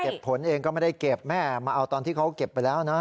ผลเองก็ไม่ได้เก็บแม่มาเอาตอนที่เขาเก็บไปแล้วนะ